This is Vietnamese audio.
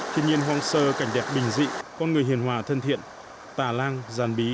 thiên nhiên hoang sơ cảnh đẹp bình dị con người hiền hòa thân thiện tà lang giàn bí